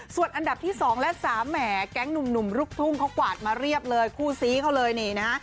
ส่วนอันดับที่๒และ๓แหมแก๊งหนุ่มลูกทุ่งเขากวาดมาเรียบเลยคู่ซี้เขาเลยนี่นะฮะ